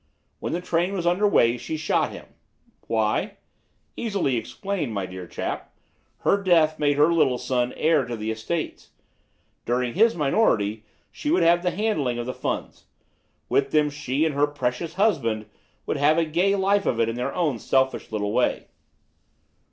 When the train was under way she shot him. Why? Easily explained, my dear chap. His death made her little son heir to the estates. During his minority she would have the handling of the funds; with them she and her precious husband would have a gay life of it in their own selfish little way!"